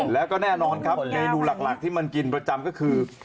แล้วก็แน่นอนครับเมนูหลักที่มันกินประจำก็คือ